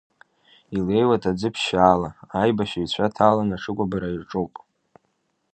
Илеиуеит аӡы ԥшьшьала, аибашьыҩцәа ҭаланы аҽыкәабара иаҿуп.